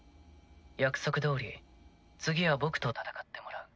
約束どおり次は僕と戦ってもらう。